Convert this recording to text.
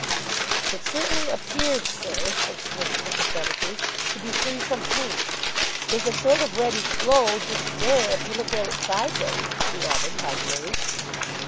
"It certainly appears, sir," said Psmith sympathetically, "to be free from paint. There's a sort of reddish glow just there, if you look at it sideways," he added helpfully.